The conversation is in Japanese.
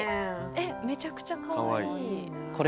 えっめちゃくちゃかわいい。